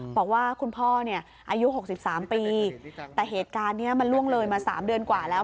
บอกว่าคุณพ่อเนี่ยอายุ๖๓ปีแต่เหตุการณ์นี้มันล่วงเลยมา๓เดือนกว่าแล้ว